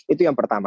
itu yang pertama